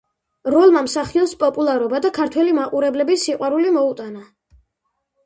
როლმა მსახიობს პოპულარობა და ქართველი მაყურებლების სიყვარული მოუტანა.